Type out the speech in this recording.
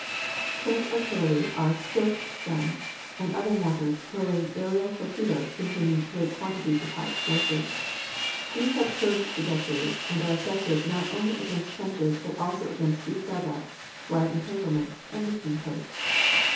Trench artillery are Stokes guns and other mortars hurling aerial torpedoes containing great quantities of high explosives. These have curved trajectories and are effective not only against trenches but also against deep dugouts, wire entanglements and listening posts.